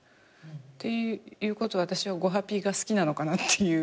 っていうことは私は『後ハッピー』が好きなのかなって。